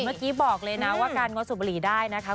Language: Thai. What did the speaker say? เมื่อกี้บอกเลยนะว่าการงดสูบบุหรี่ได้นะคะ